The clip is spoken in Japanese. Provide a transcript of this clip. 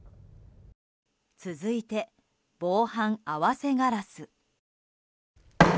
続いて、防犯合わせガラス。